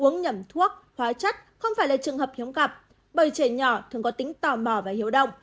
uống nhầm thuốc hóa chất không phải là trường hợp hiếm gặp bởi trẻ nhỏ thường có tính tò mò và hiếu động